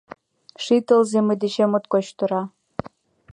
Ший тылзе мый дечем моткоч тора.